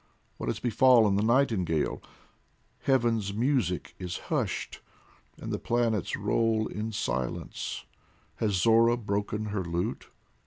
What has befallen the nightingale ? Heaven's music is hushed, and the planets roll In silence ; has Zohra broken her lute